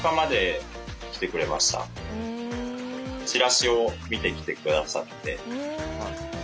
チラシを見て来てくださって。